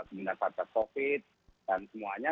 keminasar covid dan semuanya